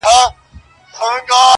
• كښېنستلى پر ځاى نه يمه بېكاره -